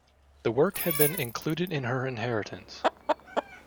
The work had been included in her inheritance.